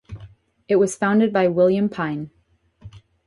It was founded by William Pine.